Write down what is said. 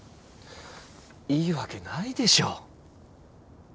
いいわけないでしょ。